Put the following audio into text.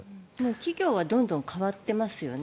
企業はどんどん変わってますよね。